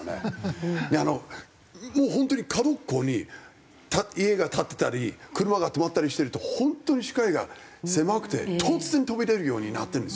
であのもう本当に角っこに家が立ってたり車が止まったりしてると本当に視界が狭くて突然飛び出るようになってるんですよね。